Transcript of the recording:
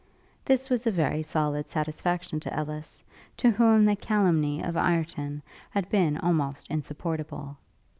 This was a very solid satisfaction to Ellis, to whom the calumny of Ireton had been almost insupportable.